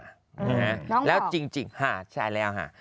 น้องบอกแล้วจริงใช่แล้วฮะ